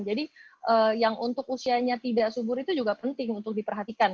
jadi yang untuk usianya tidak subur itu juga penting untuk diperhatikan